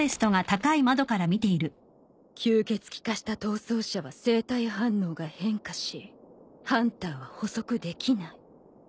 吸血鬼化した逃走者は生体反応が変化しハンターは捕捉できない。